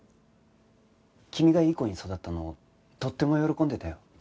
君がいい子に育ったのをとっても喜んでたよ